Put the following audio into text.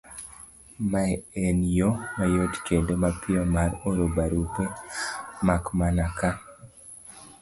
Mae en yo mayot kendo mapiyo mar oro barupe, mak mana ka